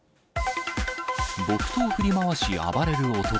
木刀振り回し、暴れる男。